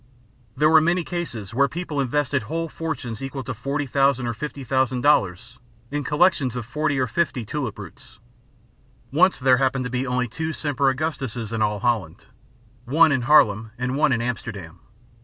There were many cases where people invested whole fortunes equal to $40,000 or $50,000 in collections of forty or fifty tulip roots. Once there happened to be only two Semper Augustuses in all Holland, one in Haarlem and one in Amsterdam.